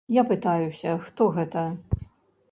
Я пытаюся, хто гэта?